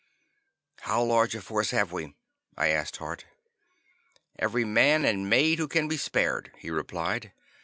"How large a force have we?" I asked Hart. "Every man and maid who can be spared," he replied.